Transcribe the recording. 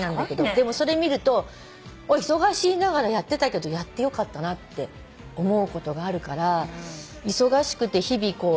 でもそれ見ると忙しいながらやってたけどやってよかったなって思うことがあるから忙しくて日々こう。